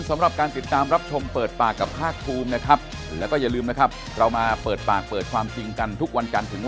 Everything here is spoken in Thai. สังคมก็สนใจ